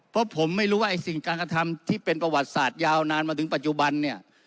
เพราะผมไม่รู้ว่าไอ้สิ่งการกระทำที่เป็นประวัติศาสตร์ยาวนานมาถึงปัจจุบันเนี่ย